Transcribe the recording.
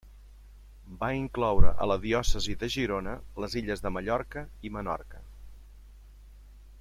Va incloure a la diòcesi de Girona les illes de Mallorca i Menorca.